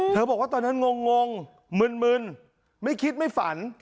บอกว่าตอนนั้นงงมึนไม่คิดไม่ฝัน